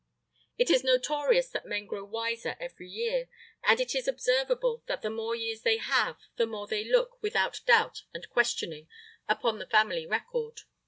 It is notorious that men grow wiser every year, and it is observable that the more years they have, the more they look with doubt and questioning upon the Family Record.